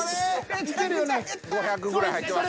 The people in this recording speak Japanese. ５００ぐらい入ってます。